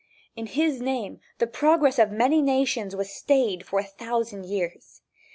In his name the progress of many nations was stayed for a thousand years.